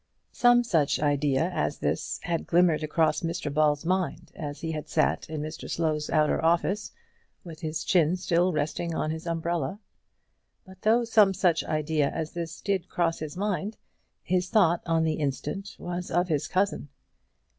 Some such idea as this had glimmered across Mr Ball's mind as he had sat in Mr Slow's outer office, with his chin still resting on his umbrella. But though some such idea as this did cross his mind, his thought on the instant was of his cousin.